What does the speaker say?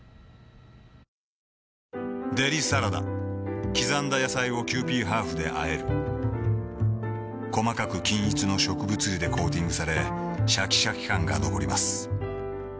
デリサラダ刻んだ野菜をキユーピーハーフであえる細かく均一の植物油でコーティングされシャキシャキ感が残ります